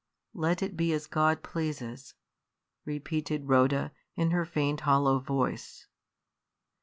'" "Let it be as God pleases!" repeated Rhoda, in her faint, hollow voice.